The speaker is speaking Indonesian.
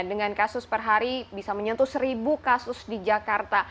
dengan kasus per hari bisa menyentuh seribu kasus di jakarta